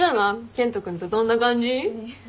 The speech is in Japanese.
健人君とどんな感じ？